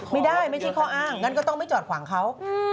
ไม่ใช่ไม่ใช่ข้ออ้างงั้นก็ต้องไม่จอดขวางเขา